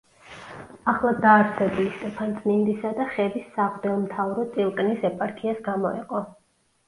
ახლადდაარსებული სტეფანწმინდისა და ხევის სამღვდელმთავრო წილკნის ეპარქიას გამოეყო.